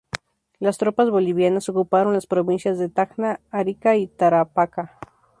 Las tropas bolivianas ocuparon las provincias de Tacna, Arica y Tarapacá.